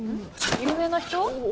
有名な人？